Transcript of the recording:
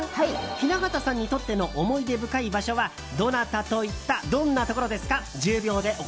雛形さんにとっての思い出深い場所はどなたと行ったどんなところですか？